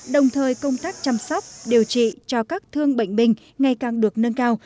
đồng thời công tác chăm sóc điều trị cho các thương bệnh binh ngày càng được nâng cao